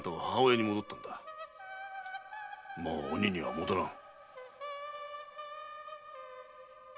もう鬼には戻らん。